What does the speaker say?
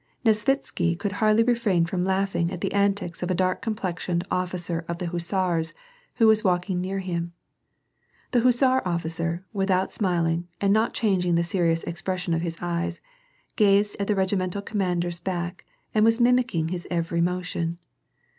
Nesvitsky could hardly refrain from laughing at the antics of a dark complexioned officer of Hussars who was walking near him. The Hussar officer, without smiling, and not changing the serious expression of his eyes, gazed at the reg imental commander^s back and was mimicking his every motion.